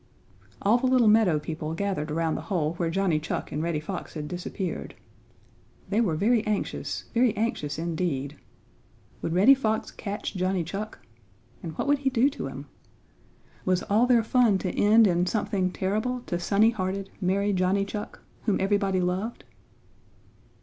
All the little meadow people gathered around the hole where Johnny Chuck and Reddy Fox had disappeared. They were very anxious, very anxious indeed. Would Reddy Fox catch Johnny Chuck? And what would he do to him? Was all their fun to end in something terrible to sunny hearted, merry Johnny Chuck, whom everybody loved?